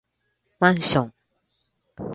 マンション